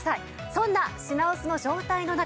そんな品薄の状態の中